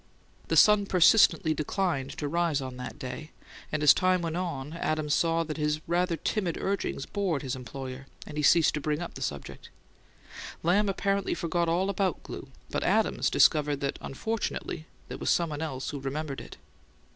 The sun persistently declined to rise on that day, and, as time went on, Adams saw that his rather timid urgings bored his employer, and he ceased to bring up the subject. Lamb apparently forgot all about glue, but Adams discovered that unfortunately there was someone else who remembered it.